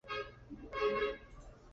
宝和按当铺旧址的历史年代为民国。